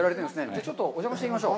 じゃあ、ちょっとお邪魔してみましょう。